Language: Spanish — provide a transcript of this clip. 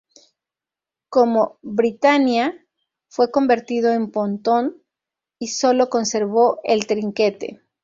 Como "Britannia", fue convertido en pontón, y solo conservó el trinquete.